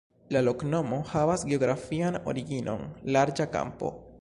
La loknomo havas geografian originon: larĝa kampo.